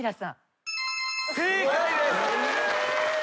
正解です。